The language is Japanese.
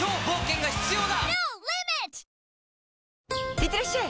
いってらっしゃい！